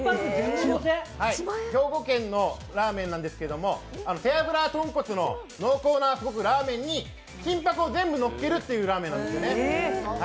兵庫県のラーメンなんですけど、背脂とんこつの濃厚なラーメンに金箔を全部のっけるというラーメンなんですよね。